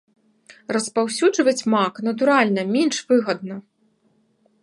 Распаўсюджваць мак, натуральна, менш выгадна.